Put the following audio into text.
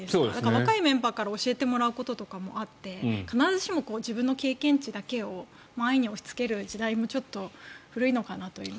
若いメンバーから教えてもらうこともあって必ずしも自分の経験値だけを安易に押しつける時代もちょっと古いのかなと。